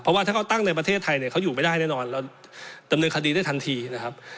เพราะว่าถ้าเขาตั้งในประเทศไทยเนี่ยเขาอยู่ไม่ได้แน่นอนเราดำเนินคดีได้ทันทีนะครับ